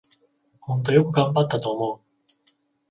ほんとよく頑張ったと思う